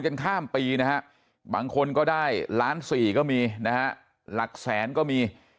กันข้ามปีนะฮะบางคนก็ได้ล้านสี่ก็มีนะฮะหลักแสนก็มี